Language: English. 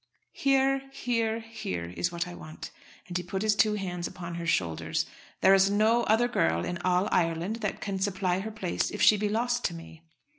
Here, here, here is what I want," and he put his two hands upon her shoulders. "There is no other girl in all Ireland that can supply her place if she be lost to me."